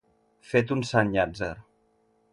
Fet un sant Llàtzer.